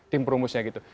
tim perumusnya gitu